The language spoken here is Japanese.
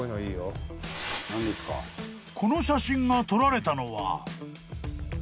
［この写真が撮られたのは］